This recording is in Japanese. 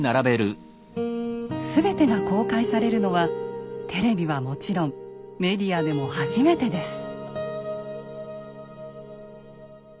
全てが公開されるのはテレビはもちろんメディアでも初めてです。